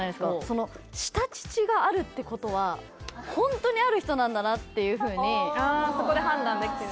その下乳があるってことはホントにある人なんだなっていうふうにあそこで判断できる？